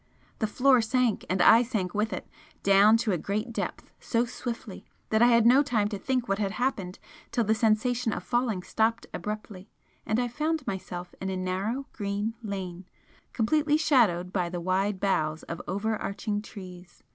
The floor sank, and I sank with it, down to a great depth so swiftly that I had no time to think what had happened till the sensation of falling stopped abruptly, and I found myself in a narrow green lane, completely shadowed by the wide boughs of over arching trees.